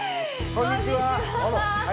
こんにちは。